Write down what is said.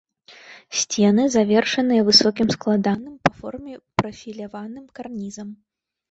Сцены завершаныя высокім складаным па форме прафіляваным карнізам.